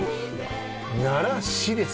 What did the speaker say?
奈良市ですよ。